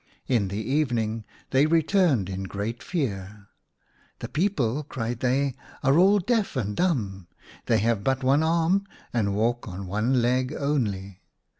In the even ing they returned in great fear. " The people," cried they, " are all deaf and dumb ; they have but one arm, and walk on one leg only.